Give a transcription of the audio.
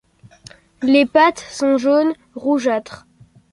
Les pattes sont jaune rougeâtre.